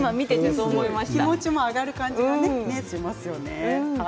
気持ちも上がる感じがしますよね。